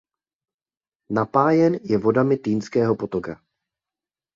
Napájen je vodami Týnského potoka.